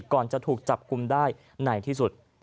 ก่อนจะถูกจับกลุ่มได้ในที่สุด